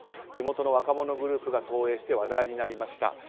地元の若者グループが投影して話題になりました。